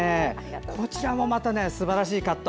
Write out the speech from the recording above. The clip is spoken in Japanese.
こちらもすばらしいカット。